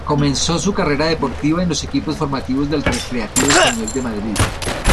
Comenzó su carrera deportiva en los equipos formativos del Recreativo Español de Madrid.